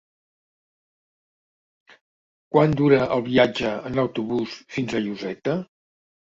Quant dura el viatge en autobús fins a Lloseta?